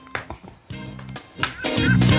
อืม